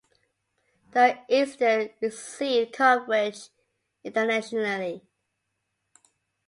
The incident received coverage internationally.